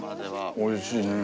おいしいね。